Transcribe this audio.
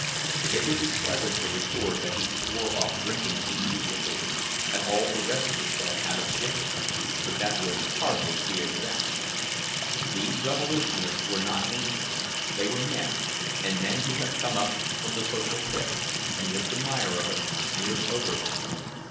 It would be pleasant to record that he swore off drinking immediately, and all the rest of his bad habits with it; but that would hardly be exact. These revolutionists were not angels; they were men, and men who had come up from the social pit, and with the mire of it smeared over them.